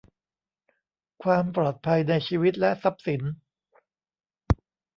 ความปลอดภัยในชีวิตและทรัพย์สิน